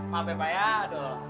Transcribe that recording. maaf ya pak aduh